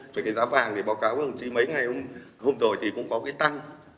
cho cái giá vàng thì báo cáo hôm nay mấy ngày hôm rồi thì cũng có cái tăng